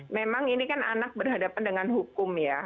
memang ini kan anak berhadapan dengan hukum ya